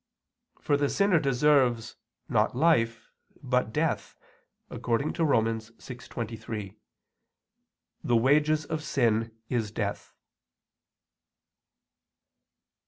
For the sinner deserves not life, but death, according to Rom. 6:23: "The wages of sin is death."